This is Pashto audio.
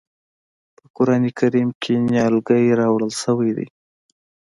په قرآن کریم کې نیالګی راوړل شوی دی.